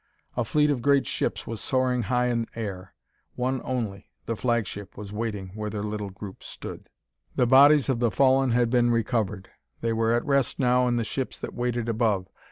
A fleet of great ships was roaring high in air. One only, the flagship, was waiting where their little group stood. The bodies of the fallen had been recovered; they were at rest now in the ships that waited above.